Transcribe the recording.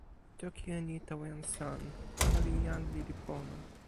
mi toki e ni tawa jan San: ona li jan lili pona.